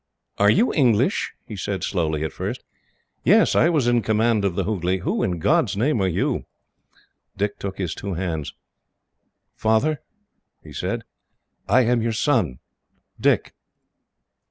"Are you English?" he said slowly, at last. "Yes, I was in command of the Hooghley. Who, in God's name, are you?" Dick took his two hands. "Father," he said, "I am your son, Dick."